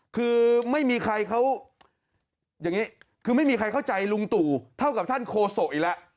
คือไม่มีใครเข้าใจลุงตู่เท่ากับท่านโคโศกอีกแล้ว